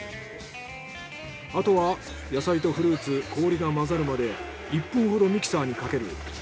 あとは野菜とフルーツ氷が混ざるまで１分ほどミキサーにかける。